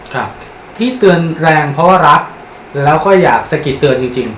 ครับที่เตือนแรงเพราะว่ารักแล้วก็อยากสะกิดเตือนจริงจริง